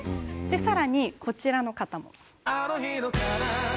さらにこちらの方も。